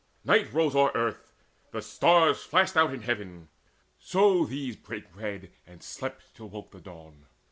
Night rose o'er earth, the stars flashed out in heaven; So these brake bread, and slept till woke the Dawn.